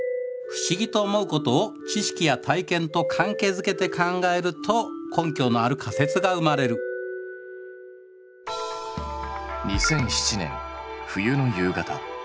不思議と思うことを知識や体験と関係づけて考えると根拠のある仮説が生まれる２００７年冬の夕方。